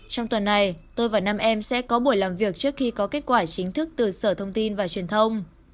trong tuần này tôi và năm em sẽ có buổi làm việc trước khi có kết quả chính thức từ sở thông tin và truyền thông